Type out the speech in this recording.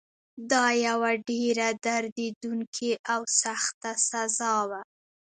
دا یوه ډېره دردونکې او سخته سزا وه.